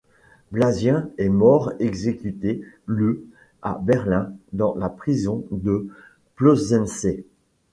Blasien et mort exécuté le à Berlin, dans la prison de Plötzensee.